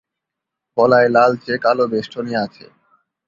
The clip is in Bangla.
গলায় লালচে-কালো বেষ্টনী আছে।